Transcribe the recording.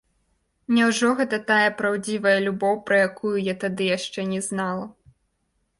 Няўжо гэта тая праўдзівая любоў, пра якую я тады яшчэ не знала?